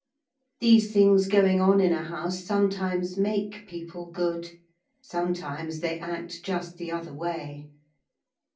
(These things going on in a house sometimes make people good; sometimes they act just the other way.)